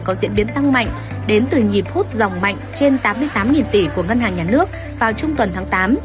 có diễn biến tăng mạnh đến từ nhịp hút dòng mạnh trên tám mươi tám tỷ của ngân hàng nhà nước vào trung tuần tháng tám